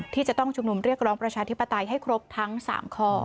ที่จะต้องชุมนุมเรียกร้องประชาธิปไตยให้ครบทั้ง๓ข้อ